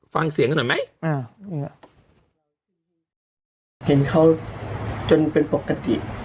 ฟังเสียงออกไม่อ่าอืมเห็นเขาจนเป็นปกติ